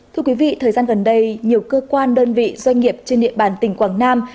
thưa quý vị thời gian gần đây nhiều cơ quan đơn vị doanh nghiệp trên địa bàn tỉnh quảng nam